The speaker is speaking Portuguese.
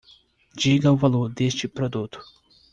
Diga o valor deste produto.